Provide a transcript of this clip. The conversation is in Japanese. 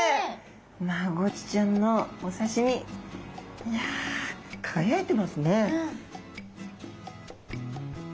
マゴチちゃんのお刺身いや輝いてますね。